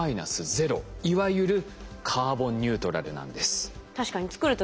いわゆるカーボンニュートラルなんです。